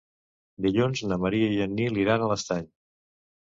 Dilluns na Maria i en Nil iran a l'Estany.